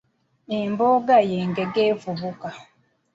Embogga y'engege envubuka.